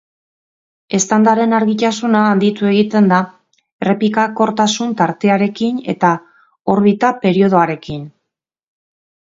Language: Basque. Eztandaren argitasuna handitu egiten da errepikakortasun tartearekin eta orbita periodoarekin.